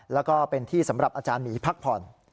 แล้วก็เป็นที่สำหรับอาจารย์หมีพักผ่อน